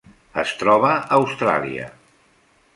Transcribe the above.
Es troba a Austràlia: